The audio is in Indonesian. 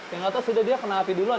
yang atas sudah dia kena api duluan